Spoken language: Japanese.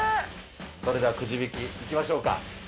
それではくじ引き、いきましょうか。